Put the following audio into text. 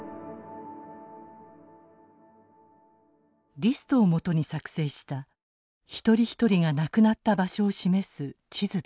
リストをもとに作成した一人一人が亡くなった場所を示す地図です。